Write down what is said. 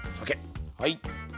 はい。